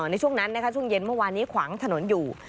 ในช่วงนั้นนะคะช่วงเย็นเมื่อวานนี้ขวางถนนอยู่